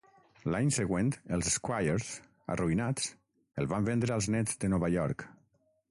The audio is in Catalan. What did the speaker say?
L'any següent, els Squires, arruïnats, el van vendre als Nets de Nova York.